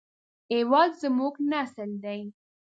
هېواد زموږ نسل دی